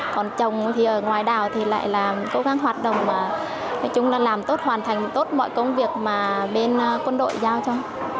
còn chồng thì ngoài đào thì lại là cố gắng hoạt động và nói chung là làm tốt hoàn thành tốt mọi công việc mà bên quân đội giao cho